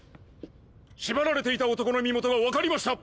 しばられていた男の身元が分かりました。